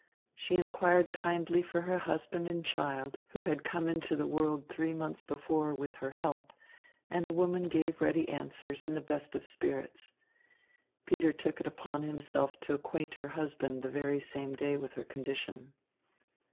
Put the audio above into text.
She inquired kindly for her husband and her child, who had come into the world three months before with her help, and the woman gave ready answers in the best of spirits. Peter took it upon himself to acquaint her husband the very same day with her condition.